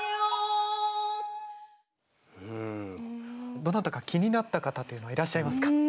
どなたか気になった方というのはいらっしゃいますか？